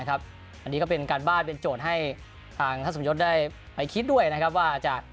อันนี้ก็เป็นการบ้านเป็นโจทย์ให้ทางท่านสมยศได้ไปคิดด้วยนะครับว่าจะ